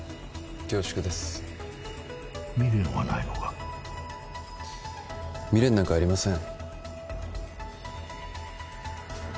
恐縮です未練はないのか未練なんかありません